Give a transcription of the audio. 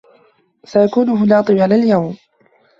سأكون هنا طوال اليوم